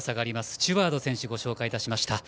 スチュワード選手ご紹介いたしました。